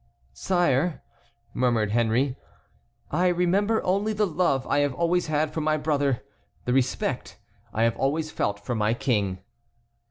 "Sire," murmured Henry, "I remember only the love I have always had for my brother, the respect I have always felt for my King."